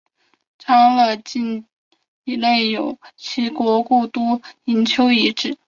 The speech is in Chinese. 昌乐县境内有齐国故都营丘遗址。